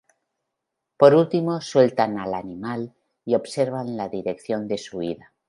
Por último sueltan al animal y observan la dirección de su huida.